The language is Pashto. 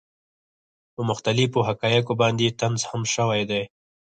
پۀ مختلفو حقائقو باندې طنز هم شوے دے،